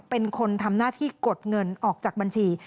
เป็นคนทำหน้าที่กดเงินออกจากบัญชี